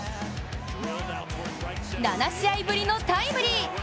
７試合ぶりのタイムリー。